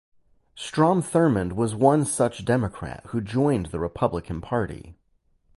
Strom Thurmond was one such Democrat who joined the Republican party.